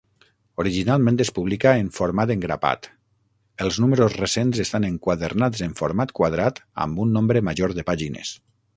Originalment es publica en format engrapat, els números recents estan enquadernats en format quadrat amb un nombre major de pàgines.